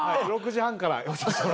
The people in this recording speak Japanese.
６時半から。